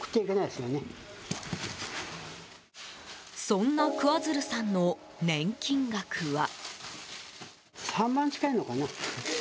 そんな桑水流さんの年金額は。